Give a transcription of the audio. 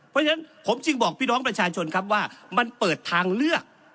เพราะฉะนั้นผมจึงบอกพี่น้องประชาชนครับว่ามันเปิดทางเลือก